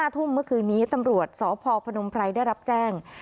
ทุ่มเมื่อคืนนี้ตำรวจสพพนมไพรได้รับแจ้ง